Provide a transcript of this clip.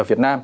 ở việt nam